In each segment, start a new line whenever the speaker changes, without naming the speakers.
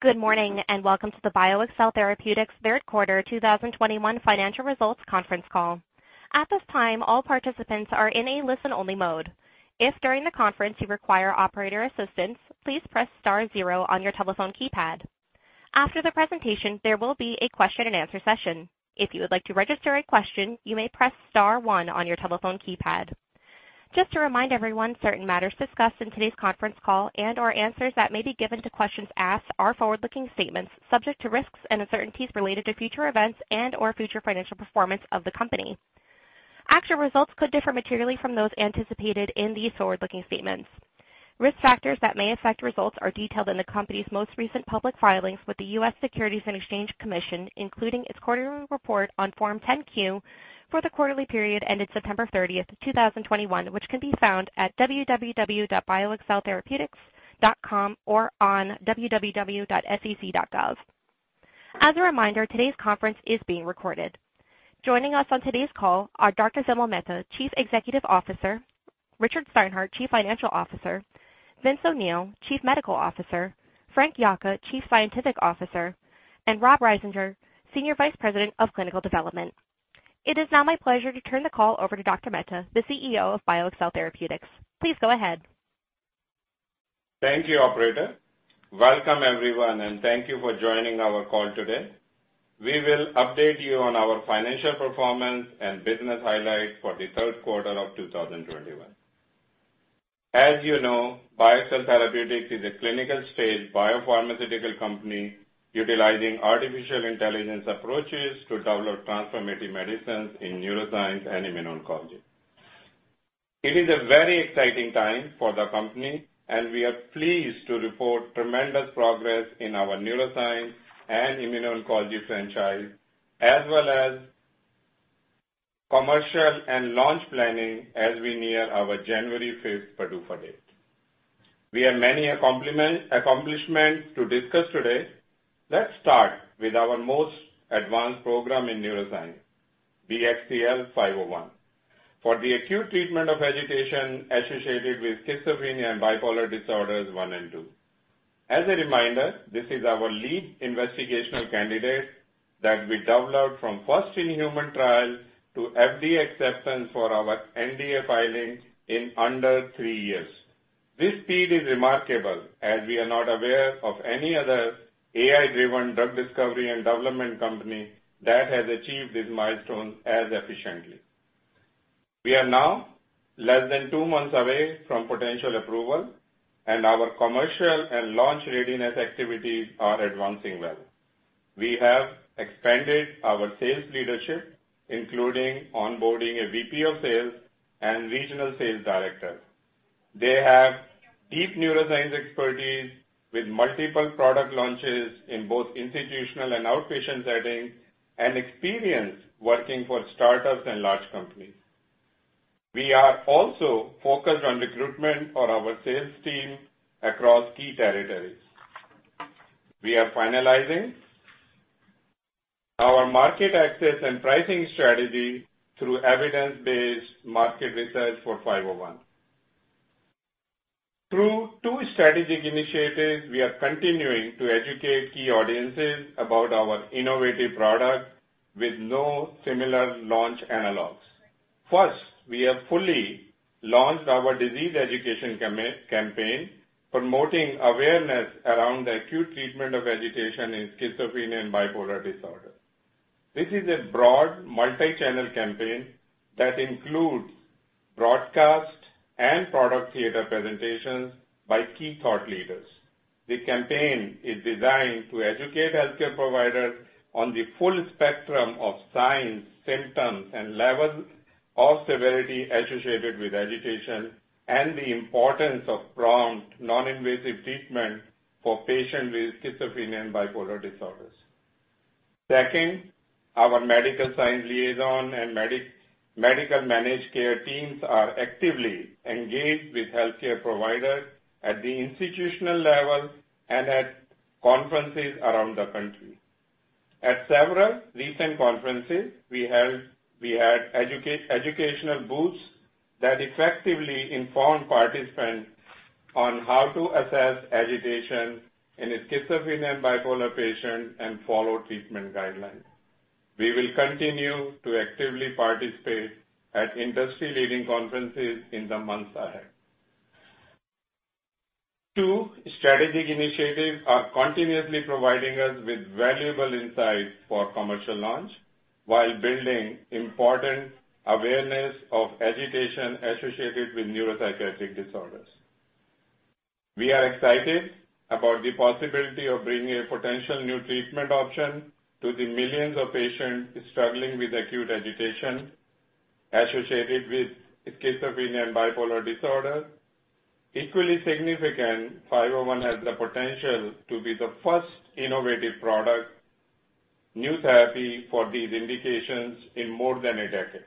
Good morning, and welcome to the BioXcel Therapeutics Third Quarter 2021 Financial Results Conference Call. At this time, all participants are in a listen-only mode. If during the conference you require operator assistance, please press star zero on your telephone keypad. After the presentation, there will be a question-and-answer session. If you would like to register a question, you may press star one on your telephone keypad. Just to remind everyone, certain matters discussed in today's conference call and/or answers that may be given to questions asked are forward-looking statements subject to risks and uncertainties related to future events and/or future financial performance of the company. Actual results could differ materially from those anticipated in these forward-looking statements. Risk factors that may affect results are detailed in the company's most recent public filings with the U.S. Securities and Exchange Commission, including its quarterly report on Form 10-Q for the quarterly period ended September 30, 2021, which can be found at www.bioxceltherapeutics.com or on www.sec.gov. As a reminder, today's conference is being recorded. Joining us on today's call are Doctor Vimal Mehta, Chief Executive Officer, Richard Steinhart, Chief Financial Officer, Vincent O'Neill, Chief Medical Officer, Frank Yocca, Chief Scientific Officer, and Rob Risinger, Senior Vice President of Clinical Development. It is now my pleasure to turn the call over to Dr. Mehta, the CEO of BioXcel Therapeutics. Please go ahead.
Thank you, operator. Welcome, everyone, and thank you for joining our call today. We will update you on our financial performance and business highlights for the third quarter of 2021. As you know, BioXcel Therapeutics is a clinical-stage biopharmaceutical company utilizing artificial intelligence approaches to develop transformative medicines in neuroscience and immuno-oncology. It is a very exciting time for the company, and we are pleased to report tremendous progress in our neuroscience and immuno-oncology franchise, as well as commercial and launch planning as we near our January 5 PDUFA date. We have many accomplishments to discuss today. Let's start with our most advanced program in neuroscience, BXCL501, for the acute treatment of agitation associated with schizophrenia and bipolar disorder I and II. As a reminder, this is our lead investigational candidate that we developed from first-in-human trial to FDA acceptance for our NDA filing in under three years. This speed is remarkable, as we are not aware of any other AI-driven drug discovery and development company that has achieved this milestone as efficiently. We are now less than two months away from potential approval, and our commercial and launch readiness activities are advancing well. We have expanded our sales leadership, including onboarding a VP of sales and regional sales director. They have deep neuroscience expertise with multiple product launches in both institutional and outpatient settings and experience working for startups and large companies. We are also focused on recruitment on our sales team across key territories. We are finalizing our market access and pricing strategy through evidence-based market research for 501. Through two strategic initiatives, we are continuing to educate key audiences about our innovative product with no similar launch analogs. First, we have fully launched our disease education campaign, promoting awareness around the acute treatment of agitation in schizophrenia and bipolar disorder. This is a broad multi-channel campaign that includes broadcast and product theater presentations by key thought leaders. The campaign is designed to educate healthcare providers on the full spectrum of signs, symptoms, and levels of severity associated with agitation and the importance of prompt non-invasive treatment for patients with schizophrenia and bipolar disorders. Second, our medical science liaison and medical managed care teams are actively engaged with healthcare providers at the institutional level and at conferences around the country. At several recent conferences, we held... We had educational booths that effectively inform participants on how to assess agitation in a schizophrenia and bipolar patient and follow treatment guidelines. We will continue to actively participate at industry-leading conferences in the months ahead. Two strategic initiatives are continuously providing us with valuable insights for commercial launch while building important awareness of agitation associated with neuropsychiatric disorders. We are excited about the possibility of bringing a potential new treatment option to the millions of patients struggling with acute agitation associated with schizophrenia and bipolar disorder. Equally significant, 501 has the potential to be the first innovative product, new therapy for these indications in more than a decade.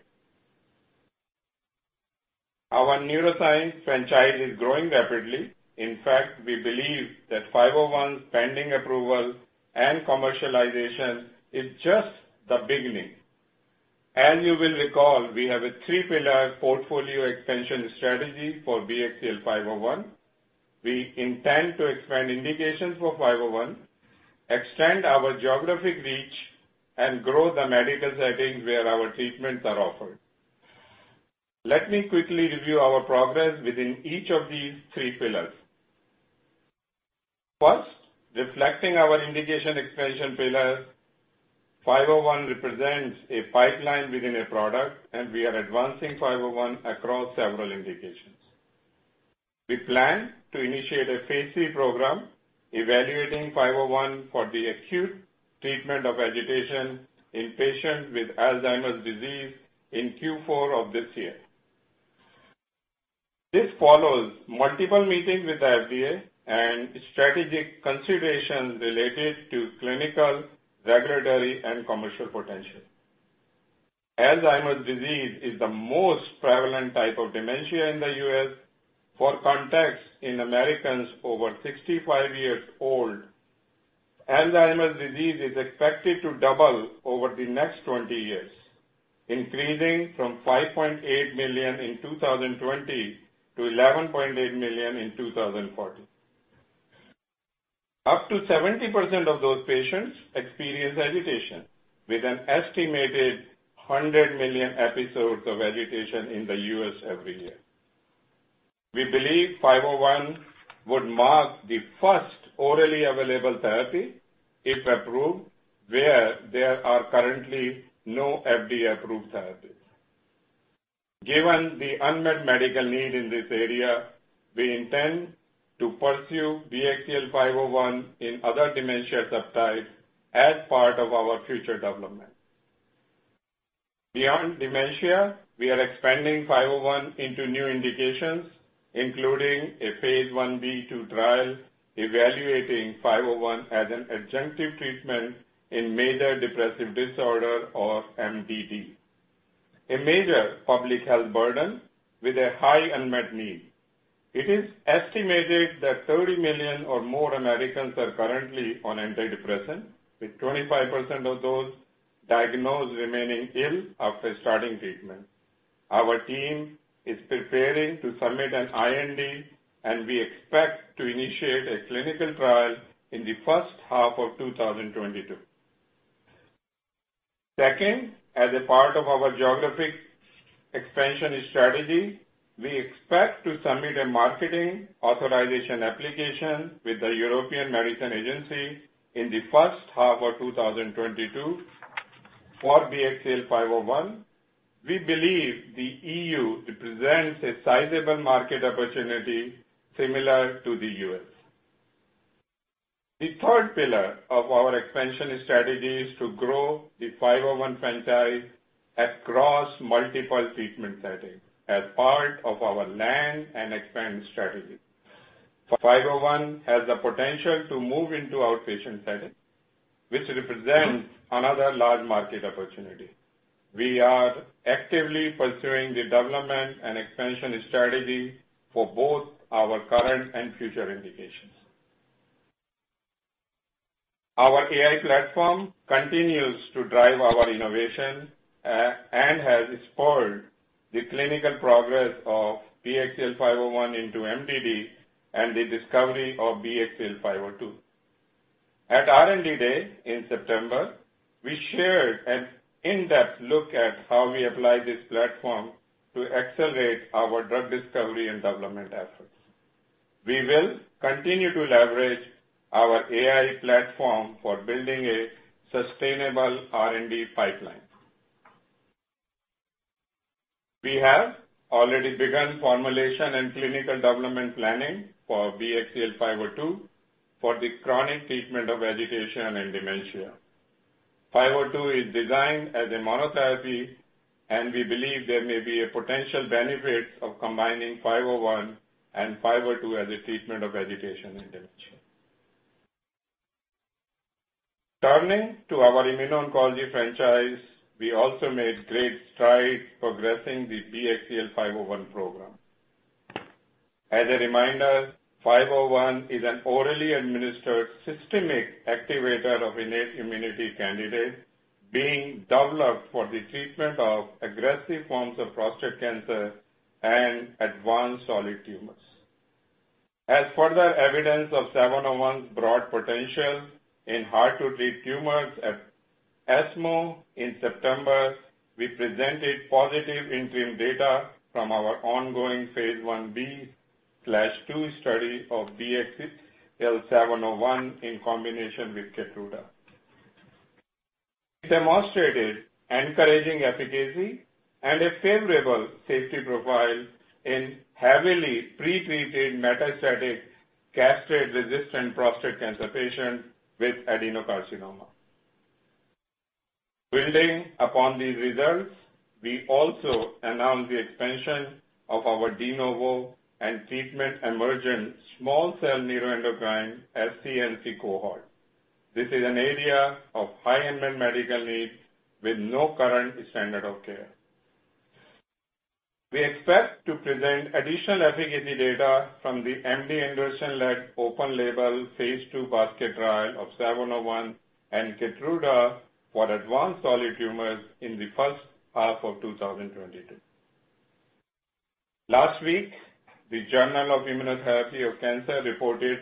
Our neuroscience franchise is growing rapidly. In fact, we believe that 501's pending approval and commercialization is just the beginning. As you will recall, we have a three pillar portfolio expansion strategy for BXCL501. We intend to expand indications for BXCL501, extend our geographic reach, and grow the medical settings where our treatments are offered. Let me quickly review our progress within each of these three pillars. First, reflecting our indication expansion pillar, BXCL501 represents a pipeline within a product, and we are advancing BXCL501 across several indications. We plan to initiate a phase III program evaluating BXCL501 for the acute treatment of agitation in patients with Alzheimer's disease in Q4 of this year. This follows multiple meetings with the FDA and strategic considerations related to clinical, regulatory, and commercial potential. Alzheimer's disease is the most prevalent type of dementia in the U.S. For context, in Americans over 65 years old, Alzheimer's disease is expected to double over the next 20 years, increasing from 5.8 million in 2020 to 11.8 million in 2040. Up to 70% of those patients experience agitation with an estimated 100 million episodes of agitation in the U.S. every year. We believe BXCL501 would mark the first orally available therapy, if approved, where there are currently no FDA-approved therapies. Given the unmet medical need in this area, we intend to pursue BXCL501 in other dementia subtypes as part of our future development. Beyond dementia, we are expanding BXCL501 into new indications, including a phase Ib/II trial evaluating BXCL501 as an adjunctive treatment in major depressive disorder, or MDD, a major public health burden with a high unmet need. It is estimated that 30 million or more Americans are currently on antidepressants, with 25% of those diagnosed remaining ill after starting treatment. Our team is preparing to submit an IND, and we expect to initiate a clinical trial in the first half of 2022. Second, as a part of our geographic expansion strategy, we expect to submit a marketing authorization application with the European Medicines Agency in the first half of 2022 for BXCL501. We believe the EU represents a sizable market opportunity similar to the U.S. The third pillar of our expansion strategy is to grow the BXCL501 franchise across multiple treatment settings as part of our land and expand strategy. BXCL501 has the potential to move into outpatient settings, which represents another large market opportunity. We are actively pursuing the development and expansion strategy for both our current and future indications. Our AI platform continues to drive our innovation, and has spurred the clinical progress of BXCL501 into MDD and the discovery of BXCL502. At R&D Day in September, we shared an in-depth look at how we apply this platform to accelerate our drug discovery and development efforts. We will continue to leverage our AI platform for building a sustainable R&D pipeline. We have already begun formulation and clinical development planning for BXCL502 for the chronic treatment of agitation and dementia. BXCL502 is designed as a monotherapy, and we believe there may be a potential benefit of combining BXCL501 and BXCL502 as a treatment of agitation and dementia. Turning to our immuno-oncology franchise, we also made great strides progressing the BXCL501 program. As a reminder, BXCL501 is an orally administered systemic activator of innate immunity candidate being developed for the treatment of aggressive forms of prostate cancer and advanced solid tumors. As further evidence of BXCL701's broad potential in hard to treat tumors, at ESMO in September, we presented positive interim data from our ongoing phase Ib/II study of BXCL701 in combination with KEYTRUDA, demonstrated encouraging efficacy and a favorable safety profile in heavily pretreated metastatic castration-resistant prostate cancer patients with adenocarcinoma. Building upon these results, we also announced the expansion of our de novo and treatment-emergent small cell neuroendocrine SCNC cohort. This is an area of high unmet medical need with no current standard of care. We expect to present additional efficacy data from the MD Anderson-led open-label phase II basket trial of 701 and KEYTRUDA for advanced solid tumors in the first half of 2022. Last week, the Journal for ImmunoTherapy of Cancer reported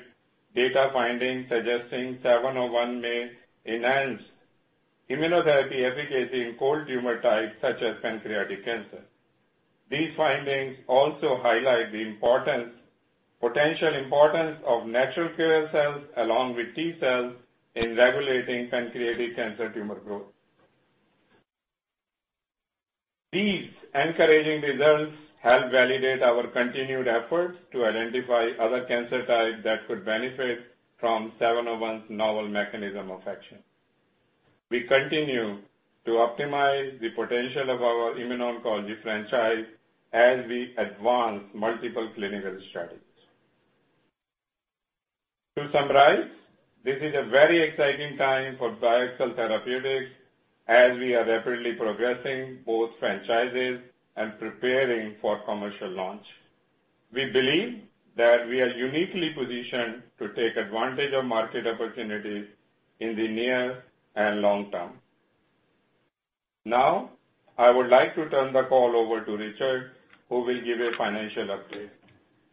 data findings suggesting 701 may enhance immunotherapy efficacy in cold tumor types such as pancreatic cancer. These findings also highlight the importance, potential importance of natural killer cells along with T cells in regulating pancreatic cancer tumor growth. These encouraging results help validate our continued efforts to identify other cancer types that could benefit from 701's novel mechanism of action. We continue to optimize the potential of our immuno-oncology franchise as we advance multiple clinical strategies. To summarize, this is a very exciting time for BioXcel Therapeutics as we are rapidly progressing both franchises and preparing for commercial launch. We believe that we are uniquely positioned to take advantage of market opportunities in the near and long term. Now I would like to turn the call over to Richard, who will give a financial update.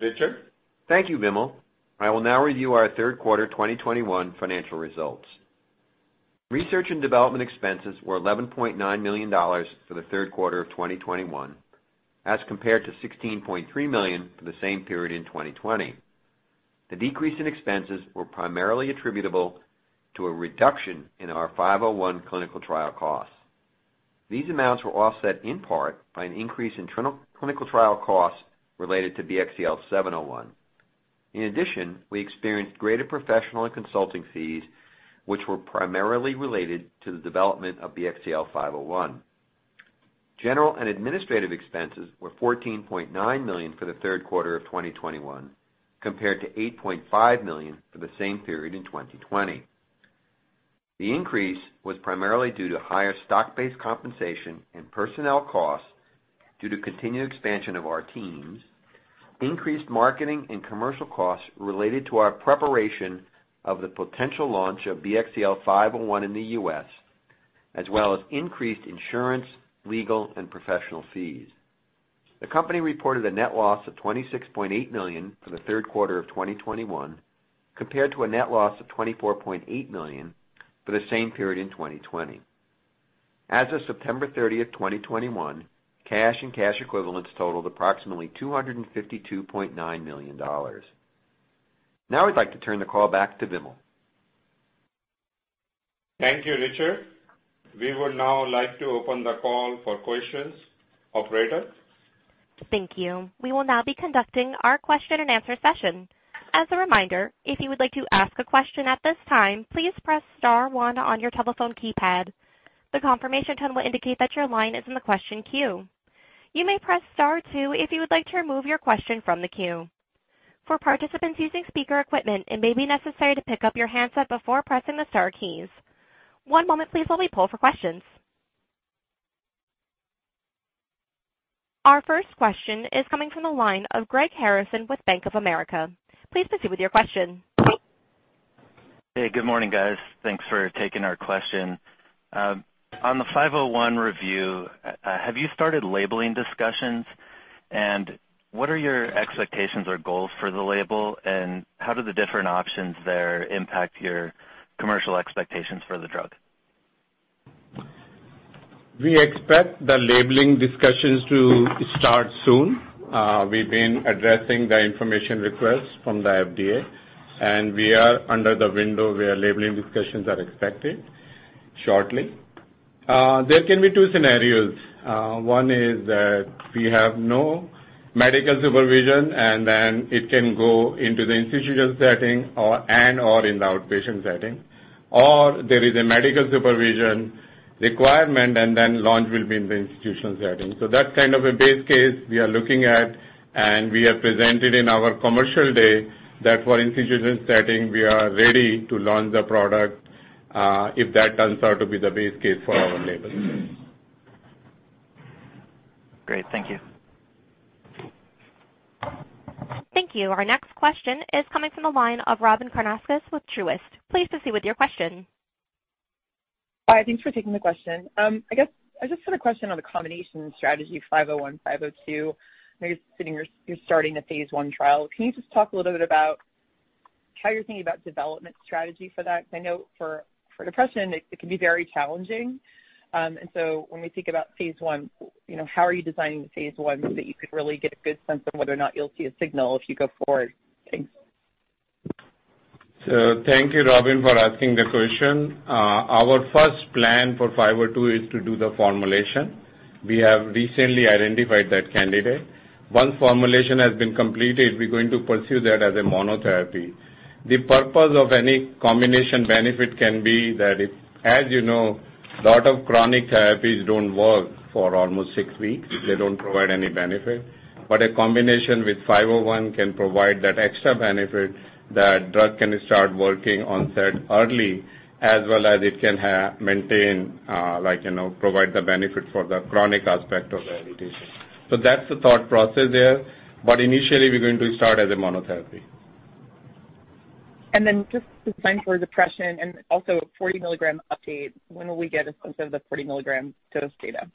Richard?
Thank you, Vimal. I will now review our third quarter 2021 financial results. Research and development expenses were $11.9 million for the third quarter of 2021, as compared to $16.3 million for the same period in 2020. The decrease in expenses was primarily attributable to a reduction in our 501 clinical trial costs. These amounts were offset in part by an increase in clinical trial costs related to BXCL701. In addition, we experienced greater professional and consulting fees, which were primarily related to the development of BXCL501. General and administrative expenses were $14.9 million for the third quarter of 2021, compared to $8.5 million for the same period in 2020. The increase was primarily due to higher stock-based compensation and personnel costs due to continued expansion of our teams, increased marketing and commercial costs related to our preparation of the potential launch of BXCL501 in the U.S., as well as increased insurance, legal, and professional fees. The company reported a net loss of $26.8 million for the third quarter of 2021, compared to a net loss of $24.8 million for the same period in 2020. As of September 30, 2021, cash and cash equivalents totaled approximately $252.9 million. Now I'd like to turn the call back to Vimal.
Thank you, Richard Steinhart. We would now like to open the call for questions. Operator?
Thank you. We will now be conducting our question-and-answer session. As a reminder, if you would like to ask a question at this time, please press star one on your telephone keypad. The confirmation tone will indicate that your line is in the question queue. You may press star two if you would like to remove your question from the queue. For participants using speaker equipment, it may be necessary to pick up your handset before pressing the star keys. One moment, please, while we poll for questions. Our first question is coming from the line of Greg Harrison with Bank of America. Please proceed with your question.
Hey, good morning, guys. Thanks for taking our question. On the 501 review, have you started labeling discussions? What are your expectations or goals for the label? How do the different options there impact your commercial expectations for the drug?
We expect the labeling discussions to start soon. We've been addressing the information requests from the FDA, and we are under the window where labeling discussions are expected shortly. There can be two scenarios. One is that we have no medical supervision, and then it can go into the institutional setting and/or in the outpatient setting. Or there is a medical supervision requirement, and then launch will be in the institutional setting. That's kind of a base case we are looking at, and we have presented in our commercial day that for institutional setting, we are ready to launch the product, if that turns out to be the base case for our label.
Great. Thank you.
Thank you. Our next question is coming from the line of Robyn Karnauskas with Truist. Please proceed with your question.
Hi, thanks for taking the question. I guess I just had a question on the combination strategy, 501, 502. I guess considering you're starting a phase I trial, can you just talk a little bit about how you're thinking about development strategy for that? 'Cause I know for depression it can be very challenging. When we think about phase I, you know, how are you designing the phase I so that you could really get a good sense of whether or not you'll see a signal if you go forward? Thanks.
Thank you, Robyn, for asking the question. Our first plan for 502 is to do the formulation. We have recently identified that candidate. Once formulation has been completed, we're going to pursue that as a monotherapy. The purpose of any combination benefit can be that if, as you know, a lot of chronic therapies don't work for almost six weeks. They don't provide any benefit. But a combination with 501 can provide that extra benefit that drug can start working onset early, as well as it can maintain provide the benefit for the chronic aspect of the indication. That's the thought process there, but initially, we're going to start as a monotherapy.
Just the sNDA for depression and also 40 milligram update, when will we get some of the 40 milligram dose data?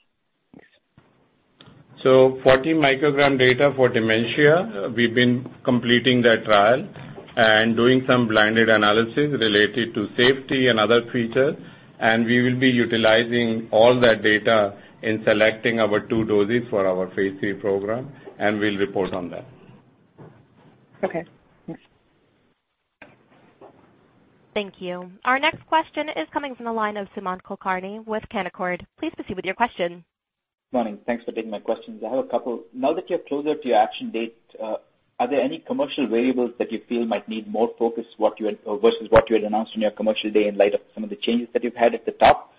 40 microgram data for dementia, we've been completing that trial and doing some blinded analysis related to safety and other features. We will be utilizing all that data in selecting our two doses for our phase III program, and we'll report on that.
Okay. Thanks.
Thank you. Our next question is coming from the line of Sumant Kulkarni with Canaccord. Please proceed with your question.
Morning. Thanks for taking my questions. I have a couple. Now that you're closer to your action date, are there any commercial variables that you feel might need more focus or versus what you had announced on your commercial day in light of some of the changes that you've had at the top?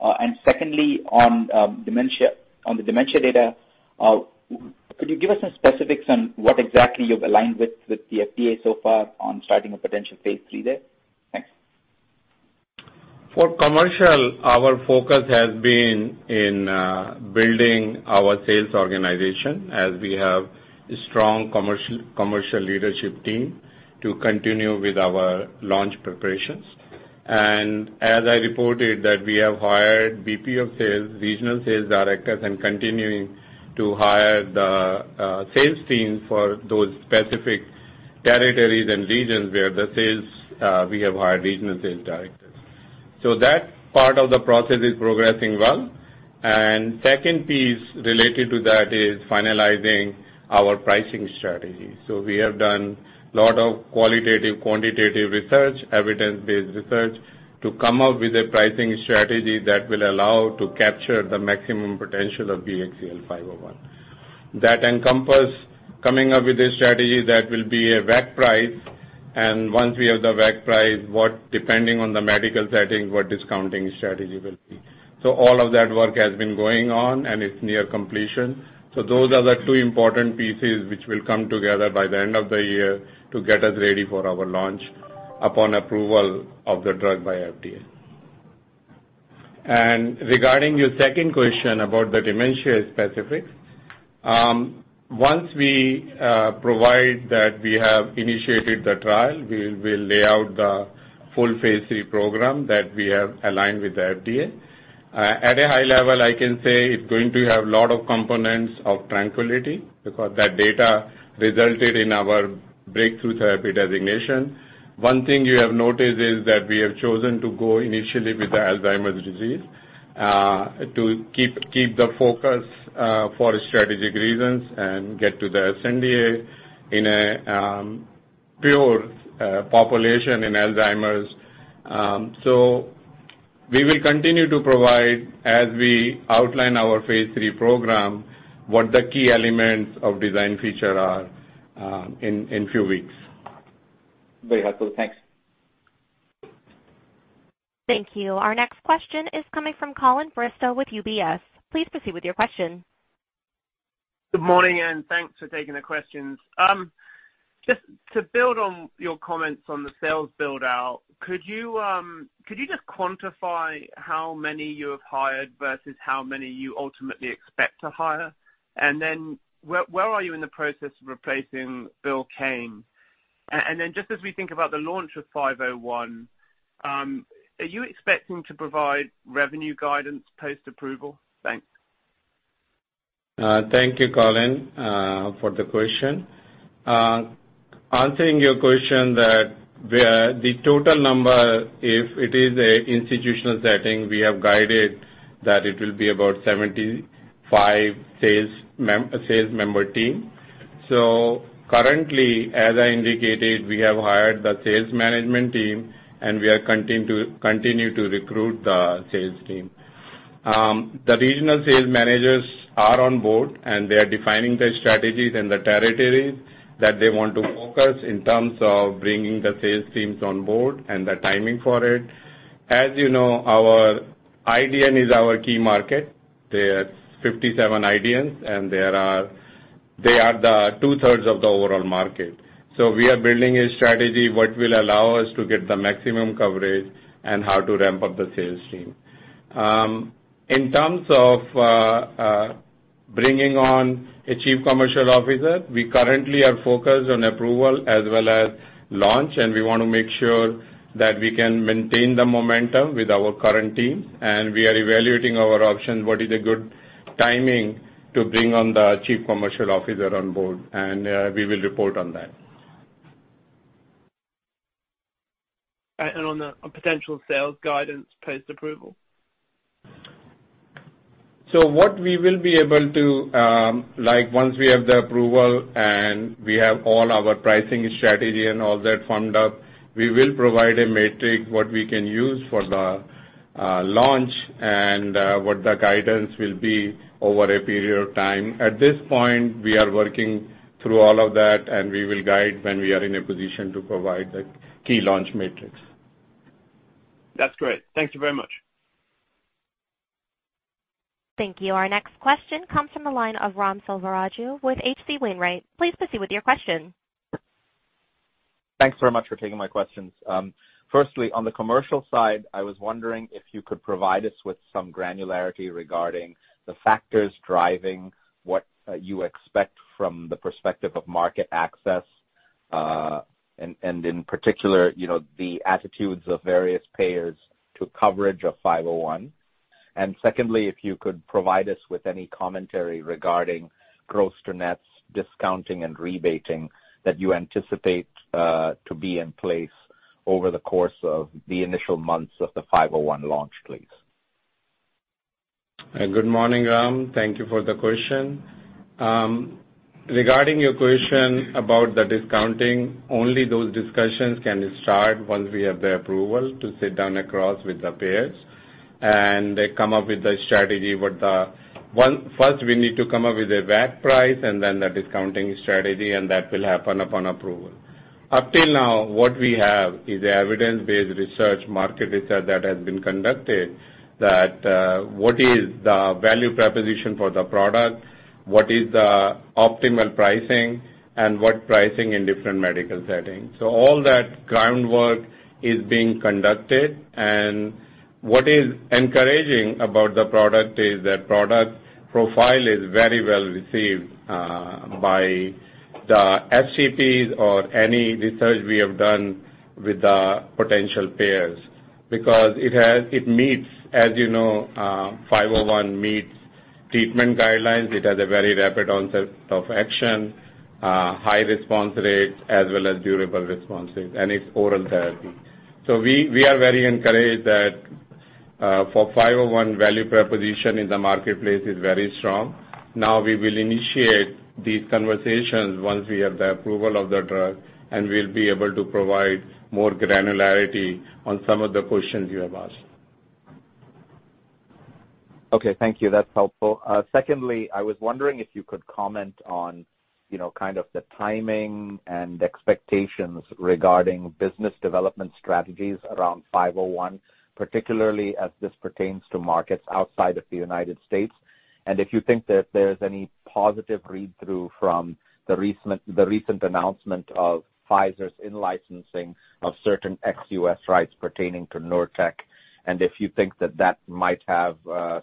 And secondly, on the dementia data, could you give us some specifics on what exactly you've aligned with the FDA so far on starting a potential phase III there? Thanks.
For commercial, our focus has been in building our sales organization as we have a strong commercial leadership team to continue with our launch preparations. As I reported that we have hired VP of Sales, regional sales directors, and continuing to hire the sales team for those specific territories and regions where the sales we have hired regional sales directors. That part of the process is progressing well. Second piece related to that is finalizing our pricing strategy. We have done a lot of qualitative, quantitative research, evidence-based research, to come up with a pricing strategy that will allow to capture the maximum potential of BXCL501. That encompass coming up with a strategy that will be a WAC price, and once we have the WAC price, what depending on the medical setting, what discounting strategy will be. All of that work has been going on, and it's near completion. Those are the two important pieces which will come together by the end of the year to get us ready for our launch upon approval of the drug by FDA. Regarding your second question about the dementia specifics, once we provide that we have initiated the trial, we will lay out the full phase III program that we have aligned with the FDA. At a high level, I can say it's going to have a lot of components of TRANQUILITY because that data resulted in our breakthrough therapy designation. One thing you have noticed is that we have chosen to go initially with Alzheimer's disease, to keep the focus, for strategic reasons and get to the NDA in a pure population in Alzheimer's. We will continue to provide, as we outline our phase III program, what the key elements of design feature are, in few weeks.
Very helpful. Thanks.
Thank you. Our next question is coming from Colin Bristow with UBS. Please proceed with your question.
Good morning, and thanks for taking the questions. Just to build on your comments on the sales build-out, could you just quantify how many you have hired versus how many you ultimately expect to hire? And then where are you in the process of replacing Bill Kane? And then just as we think about the launch of 501, are you expecting to provide revenue guidance post-approval? Thanks.
Thank you, Colin, for the question. Answering your question that where the total number, if it is a institutional setting, we have guided that it will be about 75 sales member team. Currently, as I indicated, we have hired the sales management team, and we are continue to recruit the sales team. The regional sales managers are on board, and they are defining the strategies and the territories that they want to focus in terms of bringing the sales teams on board and the timing for it. As you know, our IDN is our key market. There are 57 IDNs, and they are 2/3 of the overall market. We are building a strategy what will allow us to get the maximum coverage and how to ramp up the sales team. In terms of bringing on a Chief Commercial Officer, we currently are focused on approval as well as launch, and we want to make sure that we can maintain the momentum with our current team. We are evaluating our options, what is a good timing to bring on the Chief Commercial Officer on board, and we will report on that.
On the potential sales guidance post-approval.
What we will be able to once we have the approval and we have all our pricing strategy and all that formed up, we will provide a metric what we can use for the launch and what the guidance will be over a period of time. At this point, we are working through all of that, and we will guide when we are in a position to provide the key launch metrics.
That's great. Thank you very much.
Thank you. Our next question comes from the line of Ram Selvaraju with H.C. Wainwright. Please proceed with your question.
Thanks very much for taking my questions. Firstly, on the commercial side, I was wondering if you could provide us with some granularity regarding the factors driving what you expect from the perspective of market access. In particular, you know, the attitudes of various payers to coverage of 501. Secondly, if you could provide us with any commentary regarding gross to nets discounting and rebating that you anticipate to be in place over the course of the initial months of the 501 launch, please.
Good morning, Ram. Thank you for the question. Regarding your question about the discounting, only those discussions can start once we have the approval to sit down across with the payers and come up with a strategy. First, we need to come up with a WAC price and then the discounting strategy, and that will happen upon approval. Up till now, what we have is evidence-based research, market research that has been conducted, what is the value proposition for the product, what is the optimal pricing and what pricing in different medical settings. All that groundwork is being conducted. What is encouraging about the product is that product profile is very well received by the HCPs or any research we have done with the potential payers because it meets. As you know, BXCL501 meets treatment guidelines. It has a very rapid onset of action, high response rates as well as durable responses, and it's oral therapy. We are very encouraged that for BXCL501, value proposition in the marketplace is very strong. Now we will initiate these conversations once we have the approval of the drug, and we'll be able to provide more granularity on some of the questions you have asked.
Okay. Thank you. That's helpful. Secondly, I was wondering if you could comment on, you know, kind of the timing and expectations regarding business development strategies around five oh one, particularly as this pertains to markets outside of the United States, and if you think that there's any positive read-through from the recent announcement of Pfizer's in-licensing of certain ex-US rights pertaining to Nurtec, and if you think that that might have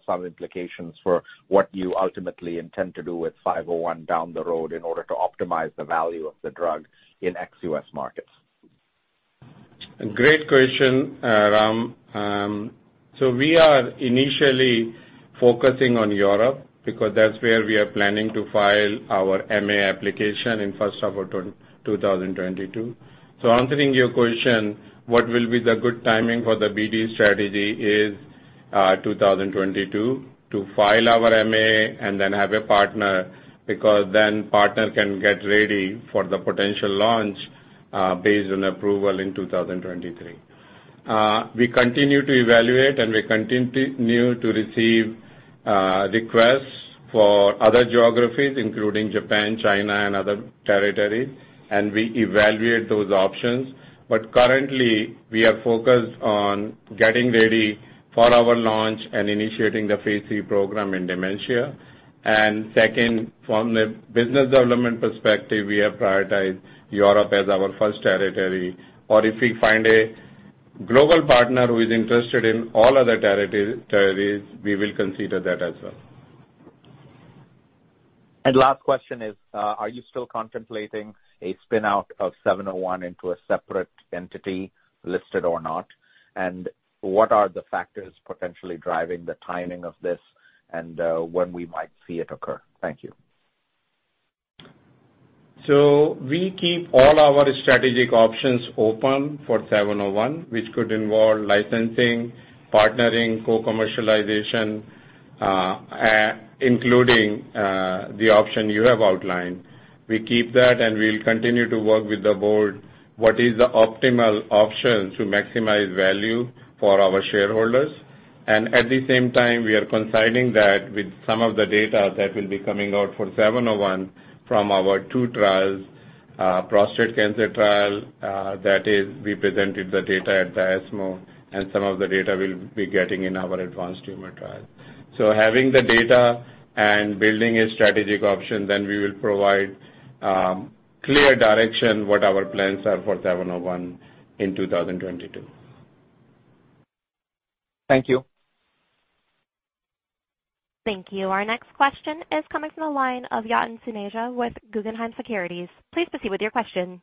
some implications for what you ultimately intend to do with five oh one down the road in order to optimize the value of the drug in ex-US markets.
Great question, Ram. We are initially focusing on Europe because that's where we are planning to file our MA application in first quarter 2022. Answering your question, what will be the good timing for the BD strategy is 2022 to file our MA and then have a partner, because then partner can get ready for the potential launch based on approval in 2023. We continue to evaluate, and we continue to receive requests for other geographies, including Japan, China and other territories, and we evaluate those options. Currently, we are focused on getting ready for our launch and initiating the phase III program in dementia. Second, from the business development perspective, we have prioritized Europe as our first territory. If we find a global partner who is interested in all other territories, we will consider that as well.
Last question is, are you still contemplating a spin-out of 701 into a separate entity, listed or not? What are the factors potentially driving the timing of this and, when we might see it occur? Thank you.
We keep all our strategic options open for 701, which could involve licensing, partnering, co-commercialization, including the option you have outlined. We keep that, and we'll continue to work with the board on what is the optimal option to maximize value for our shareholders. At the same time, we are aligning that with some of the data that will be coming out for 701 from our two trials, prostate cancer trial, that is, we presented the data at the ESMO, and some of the data we'll be getting in our advanced tumor trial. Having the data and building a strategic option, then we will provide clear direction on what our plans are for 701 in 2022.
Thank you.
Thank you. Our next question is coming from the line of Yatin Suneja with Guggenheim Securities. Please proceed with your question.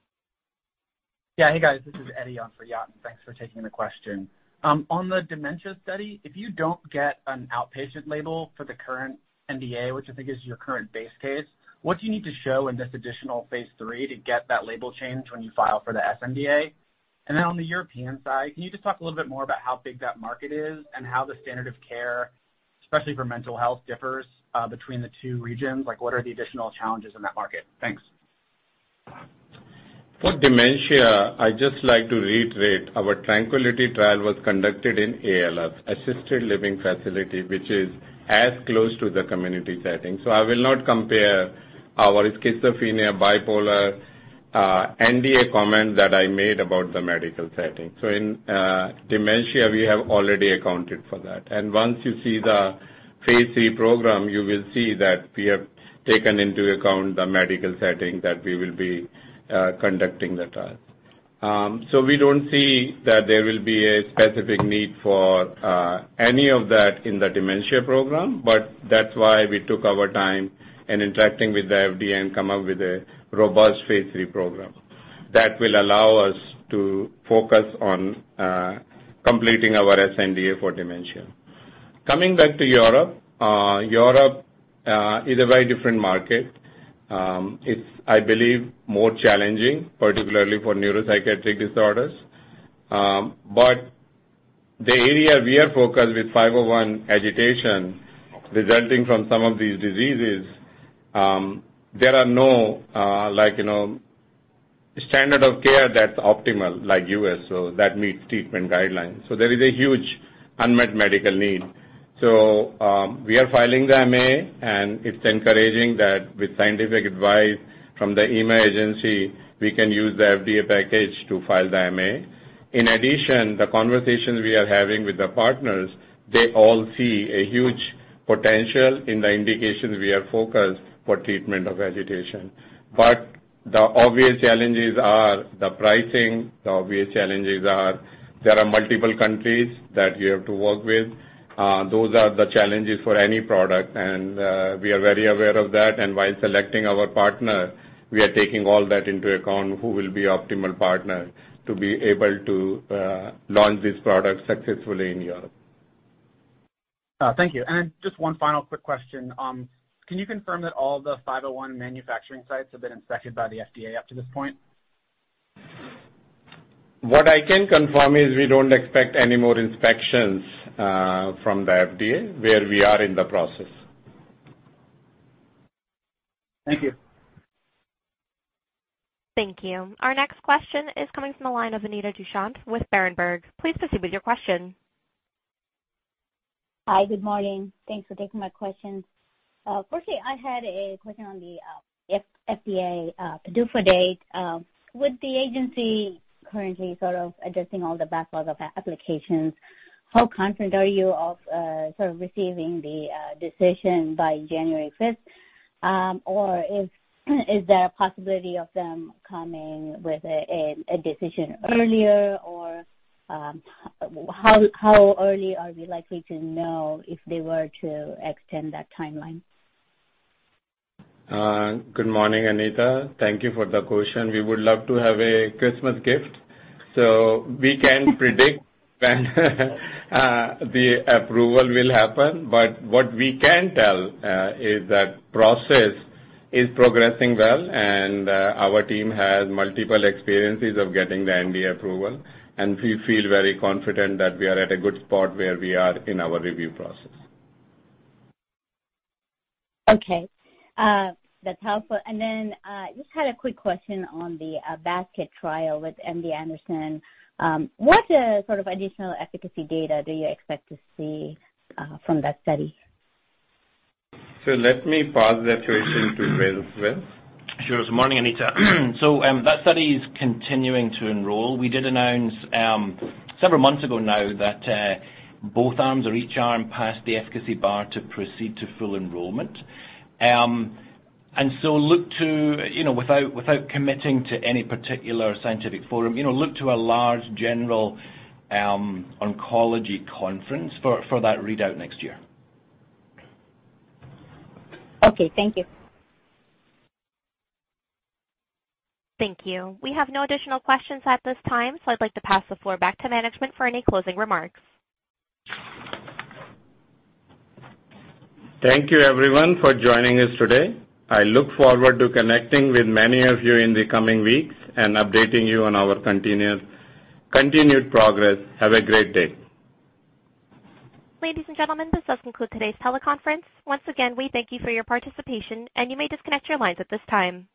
Yeah. Hey, guys. This is Eddie on for Yatin. Thanks for taking the question. On the dementia study, if you don't get an outpatient label for the current NDA, which I think is your current base case, what do you need to show in this additional phase III to get that label change when you file for the SNDA? And then on the European side, can you just talk a little bit more about how big that market is and how the standard of care, especially for mental health, differs between the two regions? Like, what are the additional challenges in that market? Thanks.
For dementia, I'd just like to reiterate, our TRANQUILITY trial was conducted in ALFs, assisted living facilities, which is as close to the community setting. I will not compare our schizophrenia, bipolar, NDA comment that I made about the medical setting. In dementia, we have already accounted for that. Once you see the phase III program, you will see that we have taken into account the medical setting that we will be conducting the trial. We don't see that there will be a specific need for any of that in the dementia program, but that's why we took our time in interacting with the FDA and come up with a robust phase III program that will allow us to focus on completing our SNDA for dementia. Coming back to Europe. Europe is a very different market. It's, I believe, more challenging, particularly for neuropsychiatric disorders. The area we are focused with 501 agitation resulting from some of these diseases, there are no, like, you know, standard of care that's optimal in the U.S., so that meets treatment guidelines. There is a huge unmet medical need. We are filing the MA, and it's encouraging that with scientific advice from the EMA, we can use the FDA package to file the MA. In addition, the conversations we are having with the partners, they all see a huge potential in the indications we are focused for treatment of agitation. The obvious challenges are the pricing. The obvious challenges are there are multiple countries that you have to work with. Those are the challenges for any product, and we are very aware of that. While selecting our partner, we are taking all that into account, who will be optimal partner to be able to launch this product successfully in Europe.
Just one final quick question. Can you confirm that all the 501 manufacturing sites have been inspected by the FDA up to this point?
What I can confirm is we don't expect any more inspections from the FDA where we are in the process.
Thank you.
Thank you. Our next question is coming from the line of Anita Dushyanth with Berenberg. Please proceed with your question.
Hi, good morning. Thanks for taking my questions. Firstly, I had a question on the FDA PDUFA date. With the agency currently sort of adjusting all the backlog of applications, how confident are you of sort of receiving the decision by January fifth? Or is there a possibility of them coming with a decision earlier? Or, how early are we likely to know if they were to extend that timeline?
Good morning, Anita. Thank you for the question. We would love to have a Christmas gift, so we can predict when the approval will happen. What we can tell is that the process is progressing well, and our team has multiple experiences of getting the NDA approval. We feel very confident that we are at a good spot where we are in our review process.
Okay. That's helpful. Just had a quick question on the basket trial with MD Anderson. What sort of additional efficacy data do you expect to see from that study?
Let me pass that question to Rob Risinger?
Sure. Morning, Anita. That study is continuing to enroll. We did announce several months ago now that both arms or each arm passed the efficacy bar to proceed to full enrollment. Look to, you know, without committing to any particular scientific forum, you know, look to a large general oncology conference for that readout next year.
Okay. Thank you.
Thank you. We have no additional questions at this time, so I'd like to pass the floor back to management for any closing remarks.
Thank you, everyone, for joining us today. I look forward to connecting with many of you in the coming weeks and updating you on our continued progress. Have a great day.
Ladies and gentlemen, this does conclude today's teleconference. Once again, we thank you for your participation, and you may disconnect your lines at this time.